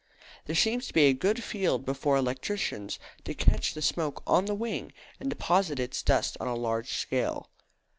There seems to be a good field before electricians to catch the smoke on the wing and deposit its dust on a large scale.